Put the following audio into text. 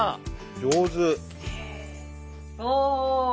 上手。